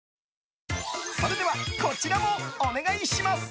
それではこちらもお願いします。